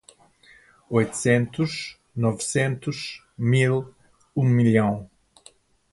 Oitocentos, novecentos, mil, um milhão